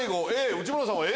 内村さんはＡ？